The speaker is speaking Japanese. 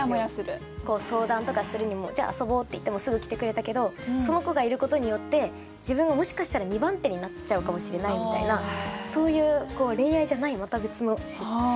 相談とかするにも「じゃあ遊ぼ」って言ってもすぐ来てくれたけどその子がいることによって自分がもしかしたら二番手になっちゃうかもしれないみたいなそういう恋愛じゃないまた別の嫉妬みたいな感じの。